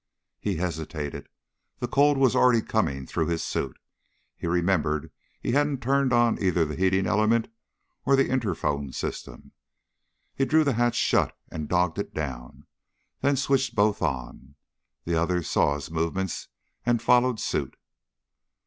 _ He hesitated. The cold was already coming through his suit. He remembered he hadn't turned on either the heating element or interphone system. He drew the hatch shut and dogged it down, then switched both on. The others saw his movements and followed suit.